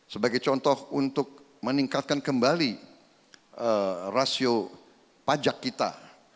sebagai contoh untuk meningkatkan kembali rasio pajak kita